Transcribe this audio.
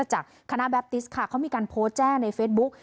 จากคณะแบปติสค่ะเขามีการโพสต์แจ้ในเฟซบุ๊ก